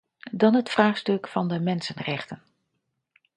Dan het vraagstuk van de mensenrechten.